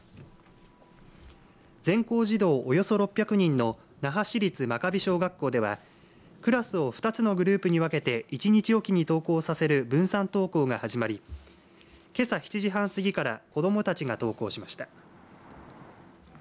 全校児童およそ６００人の那覇市立真嘉比小学校ではクラスを２つのグループに分けて１日おきに登校させる分散登校が始まりけさ７時半過ぎから子どもたちが登校しました。